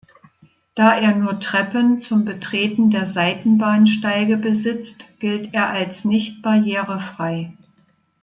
Da er nur Treppen zum Betreten der Seitenbahnsteige besitzt, gilt er als nicht barrierefrei.